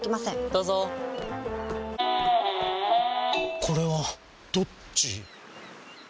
どうぞこれはどっち？